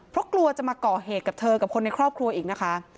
เพราะกลัวจะมาก่อเหตุกับเธอกับคนในครอบครัวอีกนะคะ